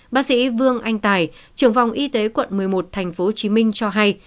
bác sĩ vương anh tài trưởng phòng y tế quận một mươi một tp hcm cho hay